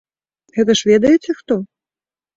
Гэта ж ведаеце, хто?